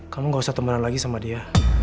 kamu gak usah teman lagi sama dia